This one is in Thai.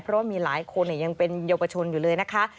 เพราะมีหลายคนเนี่ยยังเป็นโยคประชนอยู่เลยนะคะ